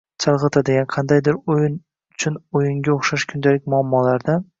chalg‘itadigan, qandaydir o‘yin uchun o‘yinga o‘xshash, kundalik muammolardan